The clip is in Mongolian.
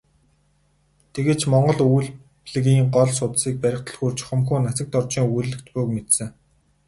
Тэгээд ч монгол өгүүллэгийн гол судсыг барих түлхүүр чухамхүү Нацагдоржийн өгүүллэгт буйг мэдсэн.